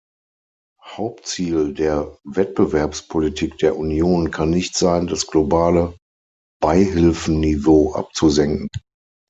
Hauptziel der Wettbewerbspolitik der Union kann nicht sein, das globale Beihilfenniveau abzusenken.